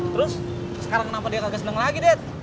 terus sekarang kenapa dia kagak seneng lagi ded